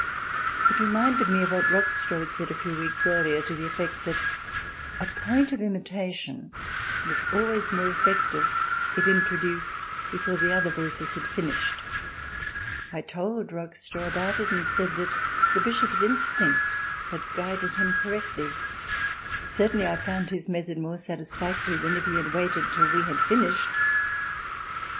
It reminded me of what Rockstro had said a few weeks earlier to the effect that a point of imitation was always more effective if introduced before the other voices had finished. I told Rockstro about it and said that the bishop's instinct had guided him correctly—certainly I found his method more satisfactory than if he had waited till we had finished.